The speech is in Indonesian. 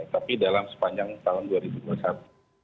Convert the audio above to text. tapi dalam sepanjang tahun dua ribu dua puluh satu